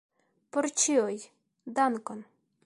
Por ĉiuj, dankon!